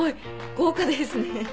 豪華ですね。